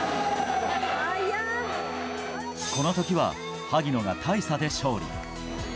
この時は萩野が大差で勝利。